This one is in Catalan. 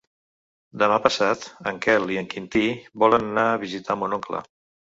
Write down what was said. Demà passat en Quel i en Quintí volen anar a visitar mon oncle.